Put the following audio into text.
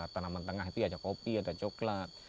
tanaman tengah itu ada kopi ada coklat